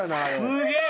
すげえ。